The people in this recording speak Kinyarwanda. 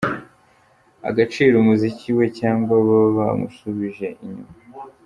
agaciro umuziki we cyangwa baba bamusubije inyuma?.